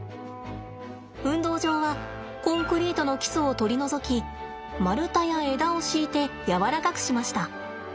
運動場はコンクリートの基礎を取り除き丸太や枝を敷いて柔らかくしました。